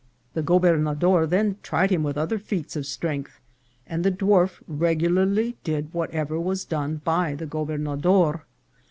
The gobernador then tried him with other feats of strength, and the dwarf regularly did whatever was done by the gobernador.